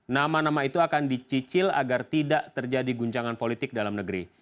nama nama itu akan dicicil agar tidak terjadi guncangan politik dalam negeri